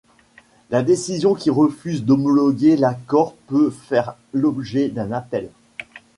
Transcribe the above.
La décision qui refuse d'homologuer l'accord peut faire l'objet d'un appel.